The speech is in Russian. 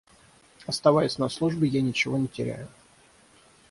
Оставаясь на службе, я ничего не теряю.